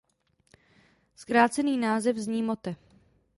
Zkrácený název zní motte.